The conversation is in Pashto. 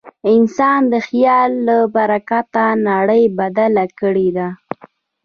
انسان د خیال له برکته نړۍ بدله کړې ده.